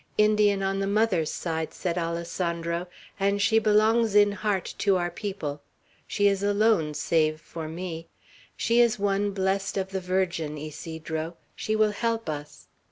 "Indian on the mother's side!" said Alessandro, "and she belongs in heart to our people. She is alone, save for me. She is one blessed of the Virgin, Ysidro. She will help us.